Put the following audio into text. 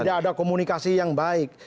tidak ada komunikasi yang baik